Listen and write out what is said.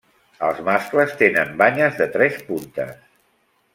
Els mascles tenen banyes de tres puntes.